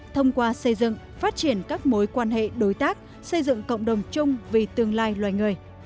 thông qua xây dựng phát triển các mối quan hệ đối tác xây dựng cộng đồng chung vì tương lai loài người